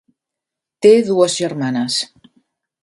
Té dues germanes.